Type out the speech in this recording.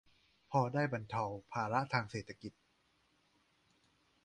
พอได้บรรเทาภาระทางเศรษฐกิจ